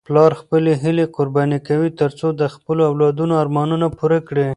پلار خپلې هیلې قرباني کوي ترڅو د خپلو اولادونو ارمانونه پوره کړي.